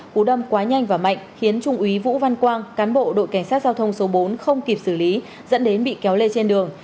cú đâm quá nhanh và mạnh khiến trung úy vũ văn quang cán bộ đội cảnh sát giao thông số bốn không kịp xử lý dẫn đến bị kéo lê trên đường